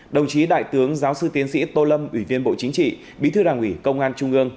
đồng chí đại tướng giáo sư tiến sĩ tô lâm ủy viên bộ chính trị bí thư đảng ủy công an trung ương